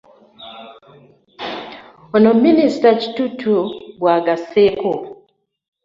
Ono minisita Kitutu bw'agasseeko.